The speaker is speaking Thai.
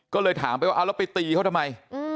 ก็เลยถามไปว่าเอาแล้วไปตีเขาทำไม